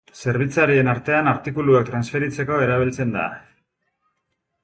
Zerbitzarien artean artikuluak transferitzeko erabiltzen da.